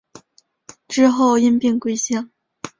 之后因病归乡。